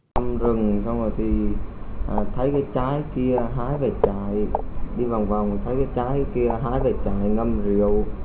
ngâm rừng xong rồi thì thấy cái trái kia hái về trại đi vòng vòng thấy cái trái kia hái về trại ngâm rượu